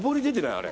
あれ。